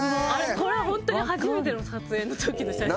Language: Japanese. これはホントに初めての撮影の時の写真。